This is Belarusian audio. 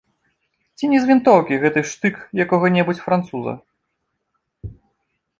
Ці не з вінтоўкі гэты штык якога-небудзь француза?